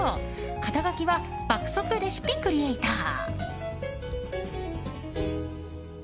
肩書きは爆速レシピクリエイター。